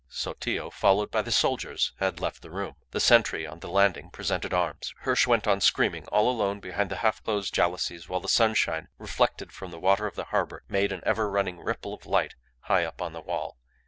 Sotillo, followed by the soldiers, had left the room. The sentry on the landing presented arms. Hirsch went on screaming all alone behind the half closed jalousies while the sunshine, reflected from the water of the harbour, made an ever running ripple of light high up on the wall.